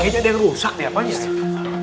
kayaknya ada yang rusak nih apaan sih